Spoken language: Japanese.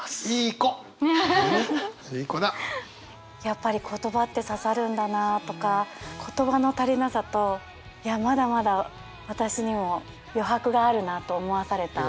やっぱり言葉って刺さるんだなとか言葉の足りなさといやまだまだ私にも余白があるなと思わされた。